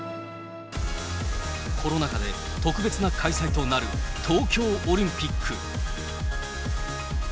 コロナ禍で、特別な開催となる東京オリンピック。